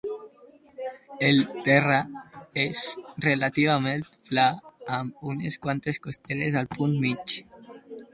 El terra és relativament pla amb unes quantes costeres al punt mig.